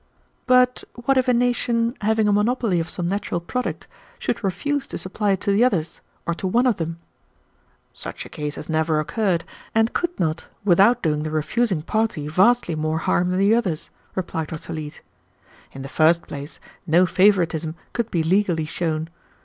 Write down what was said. "But what if a nation, having a monopoly of some natural product, should refuse to supply it to the others, or to one of them?" "Such a case has never occurred, and could not without doing the refusing party vastly more harm than the others," replied Dr. Leete. "In the fist place, no favoritism could be legally shown.